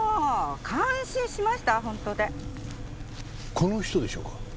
この人でしょうか？